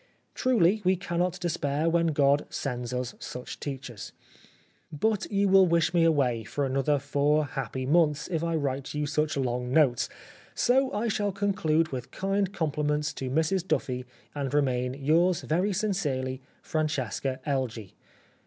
Truly, we cannot de spair when God sends us such teachers. But you will wish me away for another four happy 69 The Life of Oscar Wilde months if I write you such long notes. So I shall conclude with kind compliments to Mrs Duffy^ and remain, yours very sincerely, " Francesca Elgee.